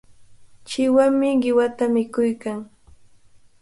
Chiwami qiwata mikuykan.